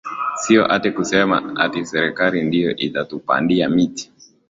sio ate kusema ati serikali ndio itatupandia miti